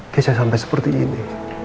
keisha sampai seperti ini